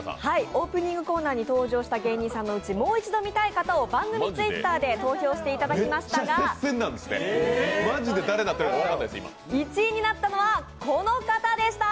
オープニングコーナーに登場してもらった方でもう一度見たい方を番組Ｔｗｉｔｔｅｒで投票していただきましたが、１位になったのはこの方でした！